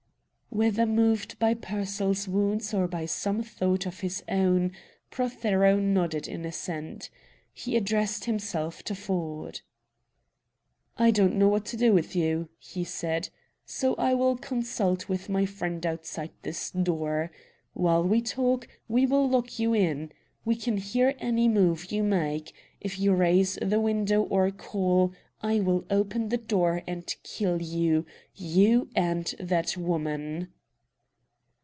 Whether moved by Pearsall's words or by some thought of his own, Prothero nodded in assent. He addressed himself to Ford. "I don't know what to do with you," he said, "so I will consult with my friend outside this door. While we talk, we will lock you in. We can hear any move you make. If you raise the window or call I will open the door and kill you you and that woman!"